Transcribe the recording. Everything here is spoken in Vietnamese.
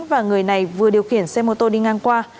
và người này vừa điều khiển xe mô tô đi ngang qua